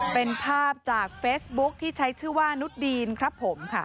เป็นภาพจากเฟซบุ๊คที่ใช้ชื่อว่านุดดีนครับผมค่ะ